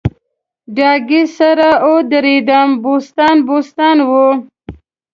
ډاګی سر او دړیدم بوستان بوستان و